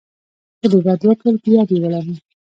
که د بد وکړل په یاد یې ولره .